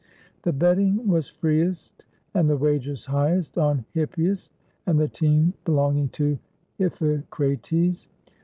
The betting was freest and the wagers highest on Hippias and the team belonging to Iphicrates.